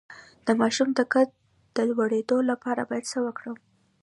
د ماشوم د قد د لوړیدو لپاره باید څه ورکړم؟